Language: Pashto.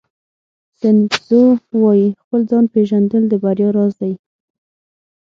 سن ټزو وایي خپل ځان پېژندل د بریا راز دی.